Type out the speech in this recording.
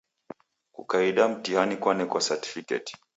Kukaida mtihani kwanekwa satfiketi.